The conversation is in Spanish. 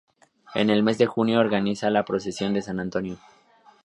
En el mes de junio organiza la Procesión de San Antonio.